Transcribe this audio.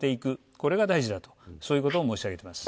これが大事だとそういうことを申し上げています。